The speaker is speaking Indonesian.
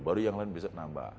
baru yang lain bisa nambah